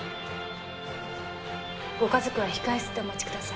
ご家族は控え室でお待ちください。